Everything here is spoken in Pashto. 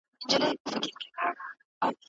د لیکوال د ادعاوو سموالی په دې ډول معلومېږي.